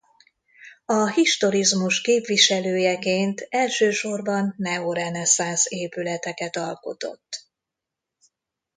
A historizmus képviselőjeként elsősorban neoreneszánsz épületeket alkotott.